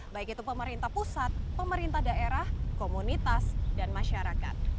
baik itu pemerintah pusat pemerintah daerah komunitas dan masyarakat